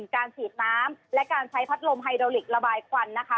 การฉีดน้ำและการใช้พัดลมไฮโดลิกระบายควันนะคะ